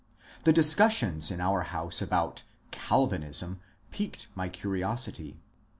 The dis cussions in our house about ^* Calvinism " piqued my curiosity.